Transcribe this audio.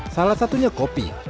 salah satunya kopi